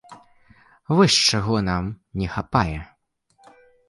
Вось чаго нам не хапае.